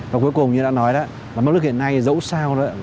và cuối cùng như đã nói đó mức lương hiện nay dẫu sao đó